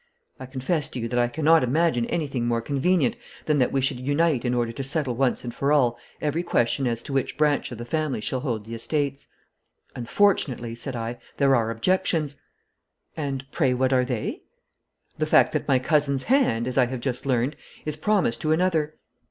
I confess to you that I cannot imagine anything more convenient than that we should unite in order to settle once for all every question as to which branch of the family shall hold the estates.' 'Unfortunately,' said I, 'there are objections.' 'And pray what are they?' 'The fact that my cousin's hand, as I have just learned, is promised to another.'